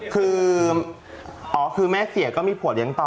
คืออ๋อคือแม่เสียก็มีผัวเลี้ยงต่อ